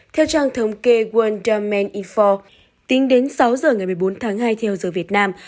theo trang thống kê world domain info tính đến sáu giờ ngày một mươi bốn tháng hai theo giờ việt nam